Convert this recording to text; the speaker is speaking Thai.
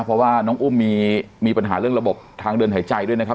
เพราะว่าน้องอุ้มมีปัญหาเรื่องระบบทางเดินหายใจด้วยนะครับ